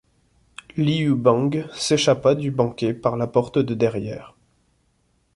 Liu Bang s'échappa du banquet par la porte de derrière.